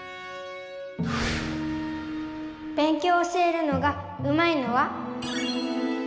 べん強教えるのがうまいのは？